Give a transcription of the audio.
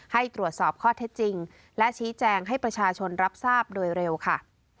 ให้ตรวจสอบข้อเท็จจริงและชี้แจงให้ประชาชนรับทราบโดยเร็วค่ะ